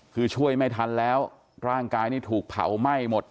คือช่วยไม่ทันแล้วร่างกายนี่ถูกเผาไหม้หมด